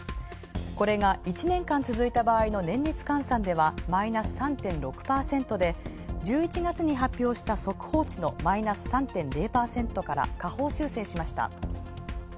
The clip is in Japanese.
これが１年間続いた場合の年率換算ではマイナス３．６％で１２月に発表した速報値のマイナス３．０％から下方修正しました。